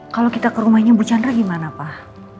kalau kita ke rumahnya bu chandra gimana pak